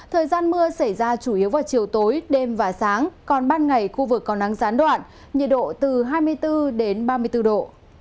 thời gian mưa xảy ra chủ yếu vào chiều tối đêm và sáng còn ban ngày khu vực còn nắng gián đoạn nhiệt độ từ hai mươi bốn ba mươi bốn độ